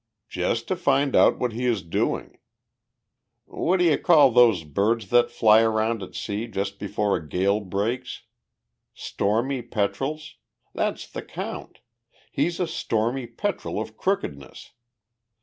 "Just to find out what he is doing. What d'ye call those birds that fly around at sea just before a gale breaks stormy petrels? That's the count! He's a stormy petrel of crookedness.